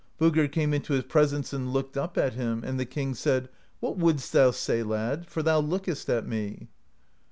Voggr came into his presence and looked up at him; and the king said :' What wouldst thou say, lad, for thou look est at me?'